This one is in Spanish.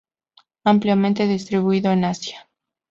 Ampliamente distribuido en Asia.